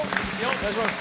お願いします。